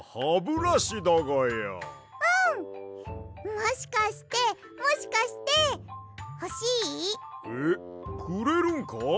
もしかしてもしかしてほしい？えっくれるんか？